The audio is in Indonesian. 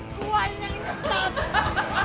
gua yang inget tau